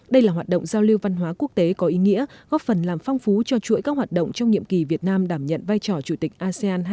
đây là hoạt động giao lưu văn hóa quốc tế có ý nghĩa góp phần làm phong phú cho chuỗi các hoạt động trong nhiệm kỳ việt nam đảm nhận vai trò chủ tịch asean hai nghìn hai mươi